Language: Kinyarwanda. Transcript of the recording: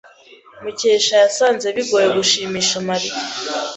Mukesha yasanze bigoye gushimisha Mariya.